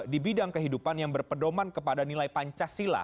di bidang kehidupan yang berpedoman kepada nilai pancasila